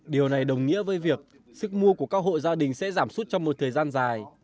điều này đồng nghĩa với việc sức mua của các hộ gia đình sẽ giảm suốt trong một thời gian dài